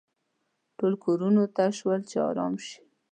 ټول کورونو ته شول چې ارام شي.